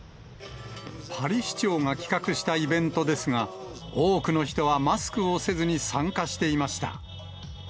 パリ市長が企画したイベントですが、多くの人はマスクをせずに参加していました。